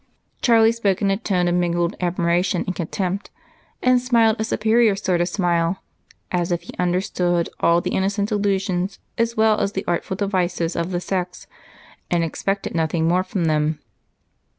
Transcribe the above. Charlie spoke in a tone of mingled admiration and contempt, and smiled a superior sort of smile, as if he understood all the innocent delusions as well as the artful devices of the sex and expected nothing more from them.